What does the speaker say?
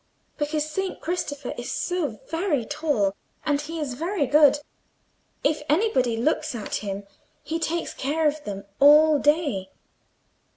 "Because Saint Christopher is so very tall; and he is very good: if anybody looks at him he takes care of them all day.